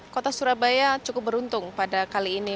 kota surabaya cukup beruntung pada kali ini